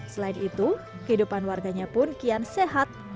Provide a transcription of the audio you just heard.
selain itu kehidupan warganya pun kian sehat